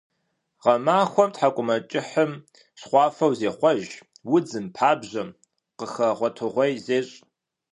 Гъэмахуэм тхьэкIумэкIыхьым щхъуафэу зехъуэж, удзым, пабжьэм къыхэгъуэтэгъуей зещI.